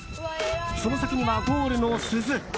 その先にはゴールの鈴。